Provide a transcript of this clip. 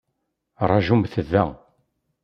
Rajumt da!